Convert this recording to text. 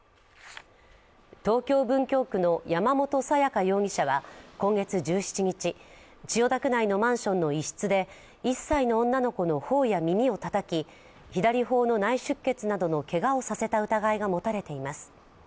東京・文京区の山本さや香容疑者は今月１７日、千代田区内のマンションの一室で１歳の女の子の頬や耳をたたき、左頬の内出血などのけがをさせた疑いが持たれています。